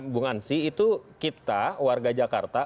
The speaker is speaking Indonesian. bung ansi itu kita warga jakarta